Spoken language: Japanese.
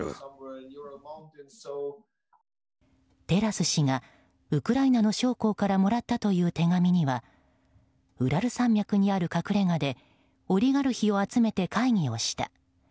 テラス氏がウクライナの将校からもらったという手紙にはウラル山脈にある隠れ家でオリガルヒを集めて会議をした。